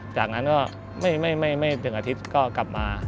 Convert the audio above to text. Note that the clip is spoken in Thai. จากนั้นก็ไม่ถึงอาทิตย์ก็กลับมา